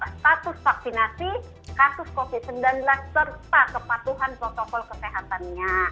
status vaksinasi kasus covid sembilan belas serta kepatuhan protokol kesehatannya